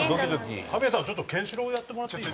富澤：神谷さん、ちょっとケンシロウやってもらっていい？